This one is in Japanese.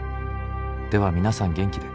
では皆さん元気で。